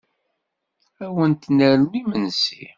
Ad wen-nernu imesnsi?